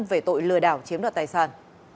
về tội lừa đảo chiếm đoạt tài sản